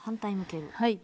はい。